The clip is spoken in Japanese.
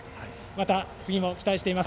また次も期待しています。